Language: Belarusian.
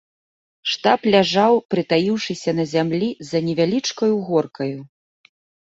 Штаб ляжаў, прытаіўшыся на зямлі, за невялічкаю горкаю.